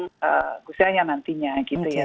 ngu syaia nantinya gitu ya